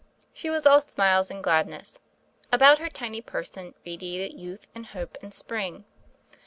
She was all smiles and gladness. About her tiny person radiated youth and hope and spring.